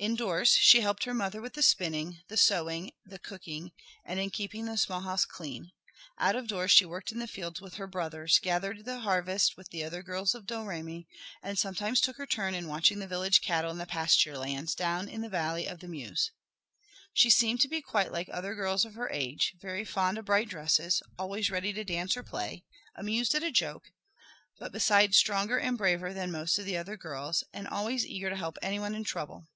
Indoors she helped her mother with the spinning, the sewing, the cooking, and in keeping the small house clean; out of doors she worked in the fields with her brothers, gathered the harvest with the other girls of Domremy, and sometimes took her turn in watching the village cattle in the pasture lands down in the valley of the Meuse. She seemed to be quite like other girls of her age, very fond of bright dresses, always ready to dance or play, amused at a joke, but besides stronger and braver than most of the other girls, and always eager to help any one in trouble.